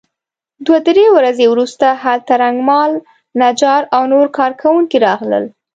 دوه درې ورځې وروسته هلته رنګمال نجار او نور کار کوونکي راغلل.